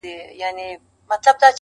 په يبلو پښو روان سو_